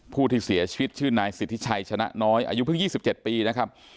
ผู้ที่เสียชีวิตชื่อนายสิทธิชัยชนะน้อยอายุเพิ่ง๒๗ปีนะครับ